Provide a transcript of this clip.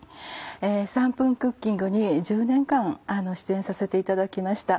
『３分クッキング』に１０年間出演させていただきました。